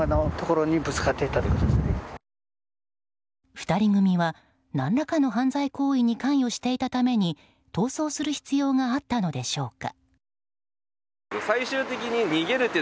２人組は、何らかの犯罪行為に関与していたために逃走する必要があったのでしょうか。